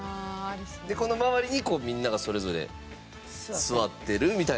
この周りにみんながそれぞれ座ってるみたいなイメージ。